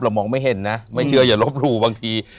มองไม่เห็นนะไม่เชื่ออย่าลบหลู่บางที